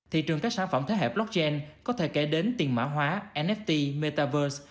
thị trường các sản phẩm thế hệ blockchain có thể kể đến tiền mã hóa nett metaverse